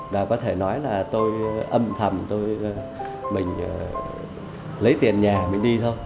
và có thể nói là tôi âm thầm tôi mình lấy tiền nhà mình đi thôi